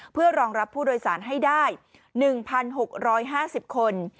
เพื่อรองรับผู้โดยสารให้ได้๑๖๕๐คน